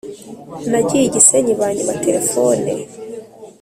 Nagiye igisenyi banyiba telephone